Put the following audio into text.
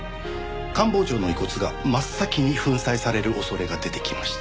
官房長の遺骨が真っ先に粉砕される恐れが出てきました。